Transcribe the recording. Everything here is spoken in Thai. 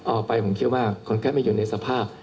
ออกไปผมคิดว่าคนแค่ไม่อยู่ในสภาพ